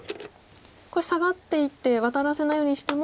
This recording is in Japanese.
これサガっていってワタらせないようにしても。